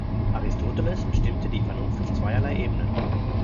Aristoteles bestimmte die Vernunft auf zweierlei Ebenen.